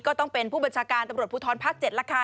ก็ต้องเป็นผู้บัญชาการตำรวจภูทรภาค๗แล้วค่ะ